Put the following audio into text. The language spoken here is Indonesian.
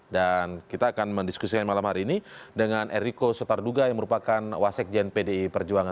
dan kita akan mendiskusikan malam hari ini dengan eriko sotarduga yang merupakan wasek jnpdi perjuangan